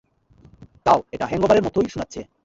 তাও, এটা হ্যাংওভারের মতোই শোনাচ্ছে।